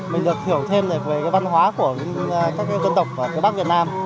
mình được hiểu thêm về cái văn hóa của các cái dân tộc ở phía bắc việt nam